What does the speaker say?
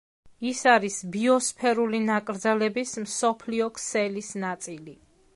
ის არის ბიოსფერული ნაკრძალების მსოფლიო ქსელის ნაწილი.